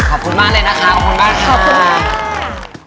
ขอบคุณมากเลยนะคะขอบคุณมากค่ะขอบคุณค่ะ